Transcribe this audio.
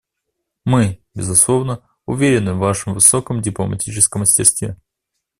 Мы, безусловно, уверены в Вашем высоком дипломатическом мастерстве.